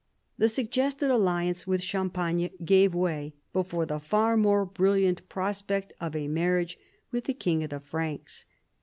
The suggested alliance with Champagne gave way before the far more brilliant prospect of a marriage with the king of the Franks.